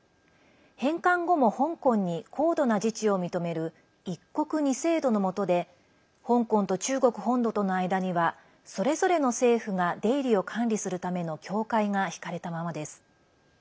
返還後も香港に高度な自治を認める一国二制度のもとで香港と中国本土との間にはそれぞれの政府が出入りを管理するための境界が引かれたままです。